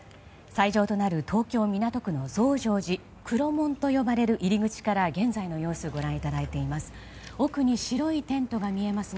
斎場となる東京都港区の増上寺黒門と呼ばれる入り口から現在の様子をご覧いただいています。